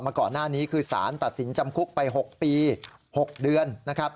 ก่อนหน้านี้คือสารตัดสินจำคุกไป๖ปี๖เดือนนะครับ